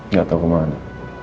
gak tau kemana